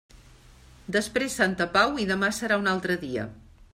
Després santa pau i demà serà un altre dia.